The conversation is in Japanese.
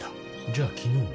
じゃあ昨日も？